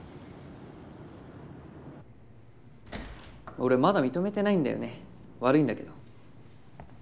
俺まだ認めてないんだよね悪いんだけど。